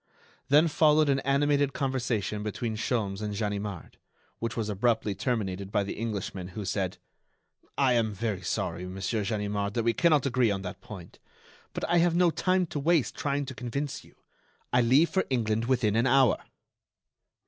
Then followed an animated conversation between Sholmes and Ganimard, which was abruptly terminated by the Englishman, who said: "I am very sorry, Monsieur Ganimard, that we cannot agree on that point, but I have no time to waste trying to convince you. I leave for England within an hour."